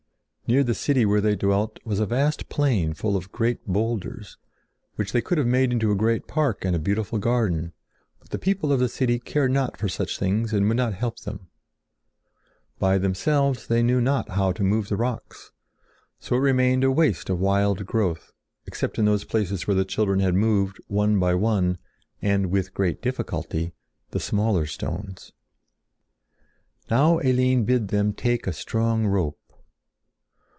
Near the city where they dwelt was a vast plain full of great boulders, which they could have made into a great park and a beautiful garden; but the people of the city cared not for such things and would not help them. By themselves they knew not how to move the rocks. So it remained a waste of wild growth, except in those places where the children had moved one by one, and with great difficulty, the smaller stones. Now Eline bid them take a strong rope.